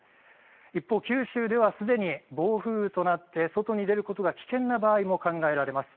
一方、九州ではすでに暴風となって外に出ることが危険な場合も考えられます。